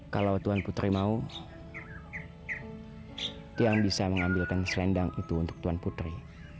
kalau tuan putri mau yang bisa mengambilkan selendang itu untuk tuan putri